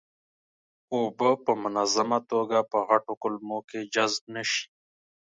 اوبه په منظمه توګه په غټو کولمو کې جذب نشي.